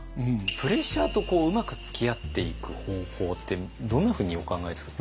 プレッシャーとうまくつきあっていく方法ってどんなふうにお考えですか？